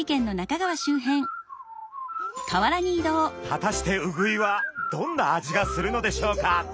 果たしてウグイはどんな味がするのでしょうか？